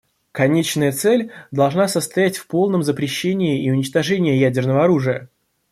Конечная цель должна состоять в полном запрещении и уничтожении ядерного оружия.